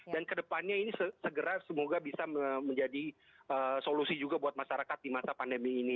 dan kedepannya ini segera semoga bisa menjadi solusi juga buat masyarakat di masa pandemi ini